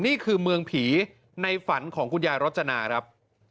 นี่คือเมืองผีในฝันของคุณยายรจนาครับ